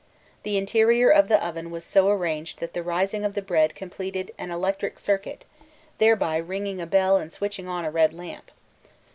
The interior of the oven was so arranged that the 'rising' of the bread completed an electric circuit, thereby ringing a bell and switching on a red lamp.